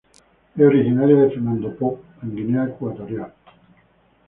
Es originaria de Fernando Poo, en Guinea Ecuatorial.